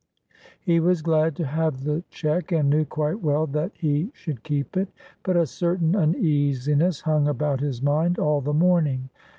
He was glad to have the cheque, and knew quite well that he should keep it, but a certain uneasiness hung about his mind all the morning.